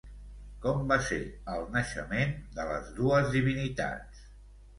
Com va ser el naixement de les dues divinitats?